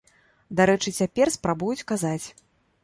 Дарэчы, цяпер спрабуюць казаць.